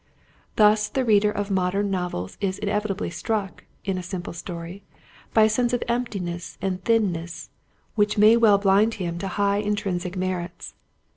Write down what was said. Thus the reader of modern novels is inevitably struck, in A Simple Story, by a sense of emptiness and thinness, which may well blind him to high intrinsic merits.